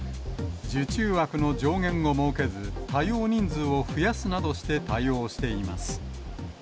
受注枠の上限を設けず、対応人数を増やすなどして対応しています。